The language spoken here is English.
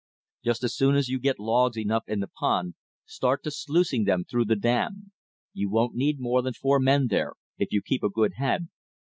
Just as soon as you get logs enough in the pond, start to sluicing them through the dam. You won't need more than four men there, if you keep a good head.